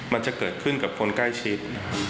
มันจะเกิดขึ้นกับคนใกล้ชิด